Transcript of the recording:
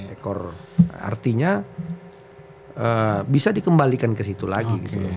ekor artinya bisa dikembalikan ke situ lagi gitu loh